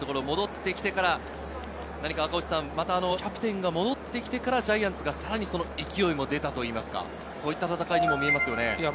戻ってきてから何かキャプテンが戻ってきてから、ジャイアンツがさらに勢いも出たといいますか、そういった戦いにも見えますよね。